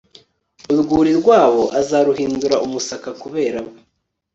Urwuri rwabo azaruhindura umusaka kubera bo